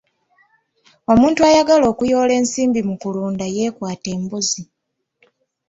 Omuntu ayagala okuyoola ensimbi mu kulunda yeekwate embuzi.